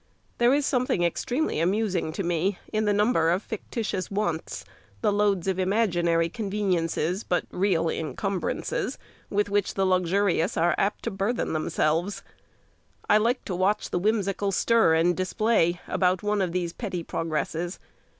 There is something extremely amusing to me in the number of factitious wants, the loads of imaginary conveniences, but real incumbrances, with which the luxurious are apt to burthen themselves. I like to watch the whimsical stir and display about one of these petty progresses.